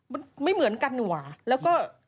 มันไม่เหมือนกันหว่ะแล้วก็